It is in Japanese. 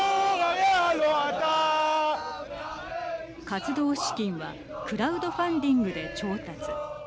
活動資金はクラウドファンディングで調達。